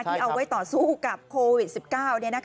ที่เอาไว้ต่อสู้กับโควิด๑๙เนี่ยนะคะ